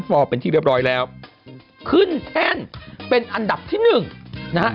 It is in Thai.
ฟอร์เป็นที่เรียบร้อยแล้วขึ้นแท่นเป็นอันดับที่หนึ่งนะฮะ